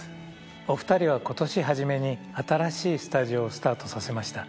お二人は今年初めに新しいスタジオをスタートさせました。